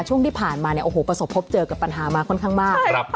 ช่วงที่ผ่านมาเนี่ยโอ้โหประสบพบเจอกับปัญหามาค่อนข้างมาก